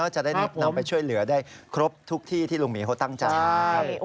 จะได้นำไปช่วยเหลือได้ครบทุกที่ที่ลุงหมีเขาตั้งใจนะครับ